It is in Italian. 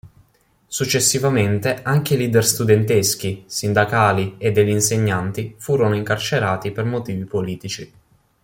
Successivamente anche leader studenteschi, sindacali e degli insegnanti furono incarcerati per motivi politici.